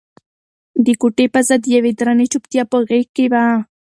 د کوټې فضا د یوې درنې چوپتیا په غېږ کې وه.